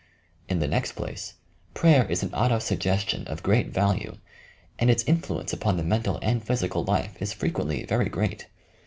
In the next place, prayer is an auto suggestion of great value, and its influeuce upon the mental and physical life il frequently very great.